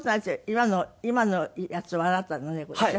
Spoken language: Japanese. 今の今のやつはあなたの猫でしょ？